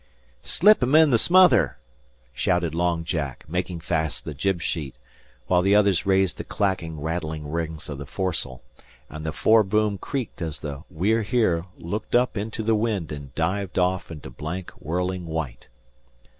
"Slip 'em in the smother," shouted Long Jack, making fast the jib sheet, while the others raised the clacking, rattling rings of the foresail; and the foreboom creaked as the We're Here looked up into the wind and dived off into blank, whirling white.